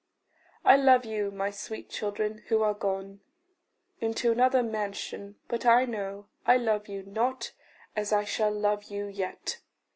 I love you, my sweet children, who are gone Into another mansion; but I know I love you not as I shall love you yet.